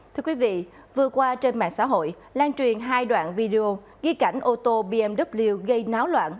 thưa quý vị vừa qua trên mạng xã hội lan truyền hai đoạn video ghi cảnh ô tô bmw gây náo loạn